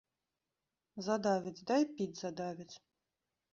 Задавяць, дай піць задавяць.